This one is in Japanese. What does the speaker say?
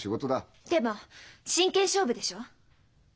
でも真剣勝負でしょう？